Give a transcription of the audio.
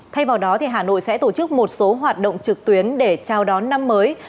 thay vào đó hà nội sẽ tổ chức một số hoạt động trực tuyến để chào đón năm mới